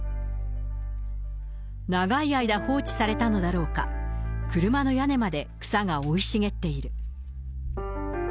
長い間放置されたのだろうか、車の屋根まで草が生い茂っている。